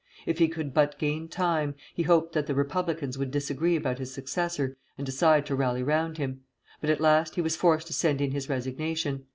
If he could but gain time, he hoped that the Republicans would disagree about his successor, and decide to rally round him; but at last he was forced to send in his resignation.